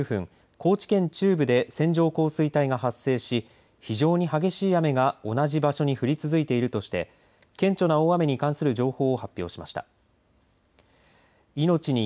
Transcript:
高知県中部で線状降水帯が発生し非常に激しい雨が同じ場所に降り続いているとして顕著な大雨に関する情報を発表しました。